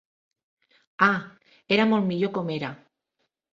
Ah, era molt millor com era!